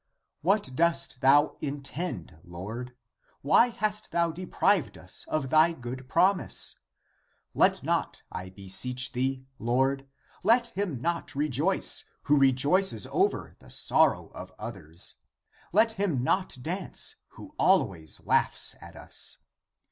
What dost thou intend, Lord? Why hast thou deprived us of thy good promise? Let not, I beseech thee. Lord, let not him rejoice, who rejoices over the sorrow of others. Let him not dance, who always laughs at us